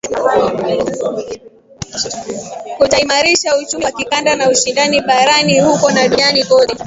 kutaimarisha uchumi wa kikanda na ushindani barani huko na duniani kote